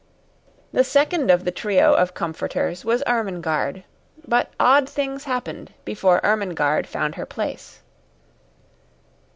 The second of the trio of comforters was Ermengarde, but odd things happened before Ermengarde found her place.